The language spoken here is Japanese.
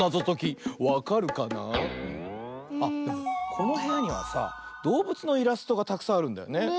このへやにはさどうぶつのイラストがたくさんあるんだよね。